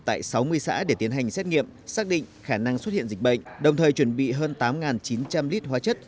tại sáu mươi xã để tiến hành xét nghiệm xác định khả năng xuất hiện dịch bệnh đồng thời chuẩn bị hơn tám chín trăm linh lít hóa chất